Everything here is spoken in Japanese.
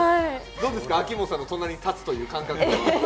どうですか、秋元さんの隣に立つという感覚は？